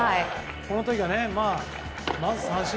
この時は、まず三振。